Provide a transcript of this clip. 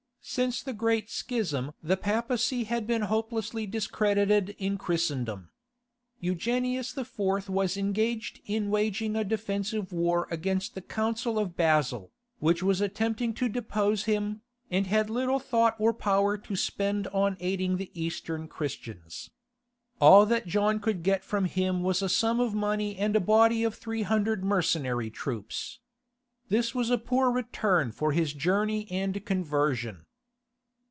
Since the Great Schism the papacy had been hopelessly discredited in Christendom. Eugenius IV. was engaged in waging a defensive war against the Council of Basle, which was attempting to depose him, and had little thought or power to spend on aiding the Eastern Christians. All that John could get from him was a sum of money and a body of three hundred mercenary troops. This was a poor return for his journey and conversion.